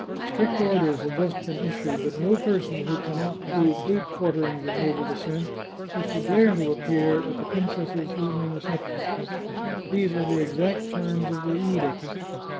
Strict orders have just been issued that no person who can not prove eight quarterings of noble descent is to dare to appear at the princess's evening receptions. These are the exact terms of the edict.